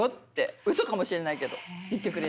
うそかもしれないけど言ってくれて。